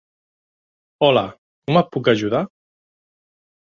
Hola, com et puc ajudar?